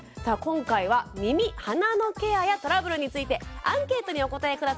さあ今回は耳・鼻のケアやトラブルについてアンケートにお答え